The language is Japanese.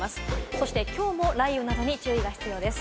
そしてきょうも雷雨などに注意が必要です。